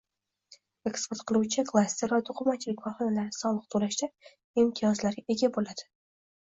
Eksport qiluvchi klaster va to‘qimachilik korxonalari soliq to‘lashda imtiyozlarga ega bo‘lading